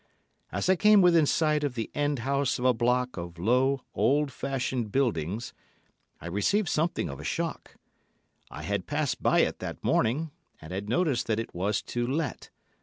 As I came within sight of the end house of a block of low old fashioned buildings, I received something of a shock. I had passed by it that morning and had noticed that it was to let.